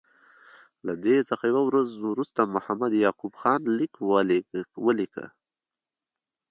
له دې څخه یوه ورځ وروسته محمد یعقوب خان لیک ولیکه.